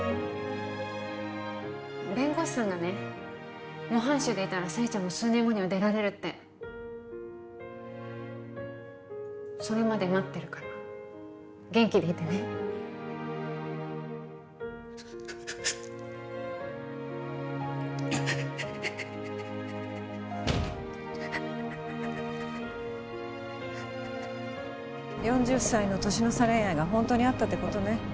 弁護士さんがね模範囚でいたら征ちゃんも数年後には出られるってそれまで待ってるから元気でいてね４０歳の年の差恋愛がホントにあったってことね